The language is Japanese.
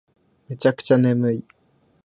めちゃくちゃ眠い